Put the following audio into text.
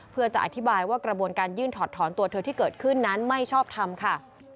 เพื่อจะอธิบายว่ากระบวนการยื่นถอดถอนตัวเธอที่เกิดขึ้นนั้นไม่ชอบทำค่ะ